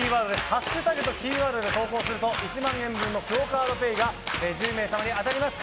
ハッシュタグとキーワードで投稿すると１万円分のＱＵＯカードＰａｙが１０名様に当たります。